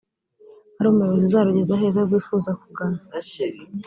ari umuyobozi uzarugeza aheza rwifuza kugana